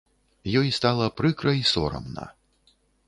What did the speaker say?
Ёй стала прыкра і сорамна.